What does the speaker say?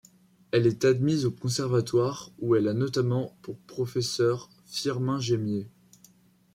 Elle est admise au Conservatoire où elle a notamment pour professeur Firmin Gémier.